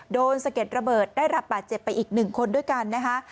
สะเก็ดระเบิดได้รับบาดเจ็บไปอีก๑คนด้วยกันนะคะ